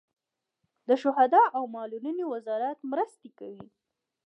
د شهدا او معلولینو وزارت مرستې کوي